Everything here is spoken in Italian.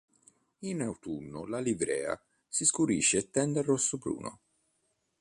In autunno la livrea si scurisce e tende al rosso-bruno.